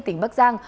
tỉnh bắc giang